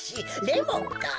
レモンか。